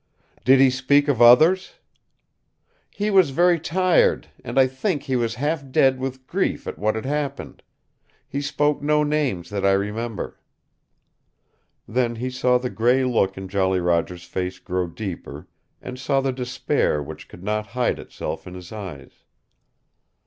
"Did he speak of others?" "He was very tired, and I think he was half dead with grief at what had happened. He spoke no names that I remember." Then he saw the gray look in Jolly Roger's face grow deeper, and saw the despair which could not hide itself in his eyes.